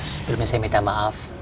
sebelumnya saya minta maaf